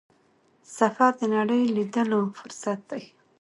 سفر د نړۍ لیدلو فرصت دی.